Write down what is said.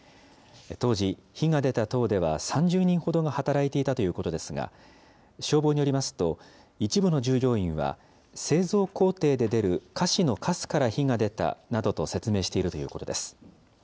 当時、火が出た棟では３０人ほどが働いていたということですが、消防によりますと、一部の従業員は、製造工程で出る菓子のかすから火が出たなどと説明しているということです。